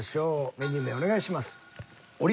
メニュー名お願いします。